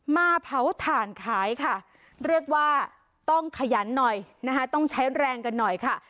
มาเผาถ่านขายค่ะเรียกว่าต้องขยันหน่อยนะคะต้องใช้แรงกันหน่อยค่ะ